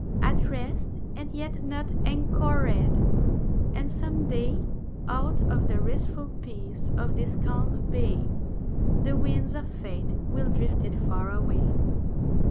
At rest, and yet not anchored; and some day Out of the restful peace of this calm bay The winds of Fate will drift it far away.